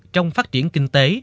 trong phát triển kinh tế